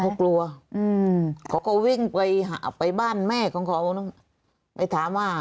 เขากลัวอืมเขาก็วิ่งไปหาไปบ้านแม่ของเขาไปถามว่า